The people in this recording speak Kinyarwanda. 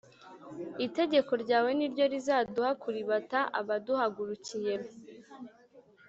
Itegeko ryawe ni ryo rizaduha kuribata abaduhagurukiye